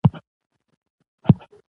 مېلې د خلکو تر منځ د باور فضا رامنځ ته کوي.